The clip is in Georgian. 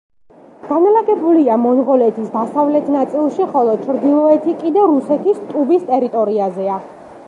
განლაგებულია მონღოლეთის დასავლეთ ნაწილში, ხოლო ჩრდილოეთი კიდე რუსეთის ტუვის ტერიტორიაზეა.